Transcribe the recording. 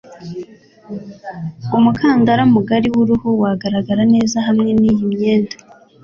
Umukandara mugari w'uruhu wagaragara neza hamwe niyi myenda.